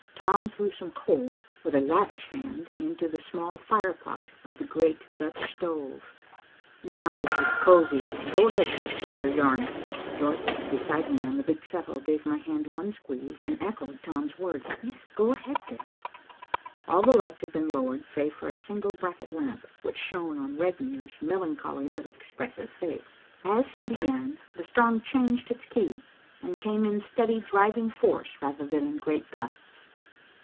Tom threw some coal, with a lavish hand, into the small firepot of the great Dutch stove. "Now this is cosy. Go ahead, Dick, with your yarn." Dorothy beside me on the big settle gave my hand one squeeze, and echoed Tom's words. "Go ahead, Dick." All the lights had been lowered, save for a single bracket lamp, which shone on Regnier's melancholy but expressive face. As he began, the storm changed its key, and came in steady, driving force rather than in great gusts.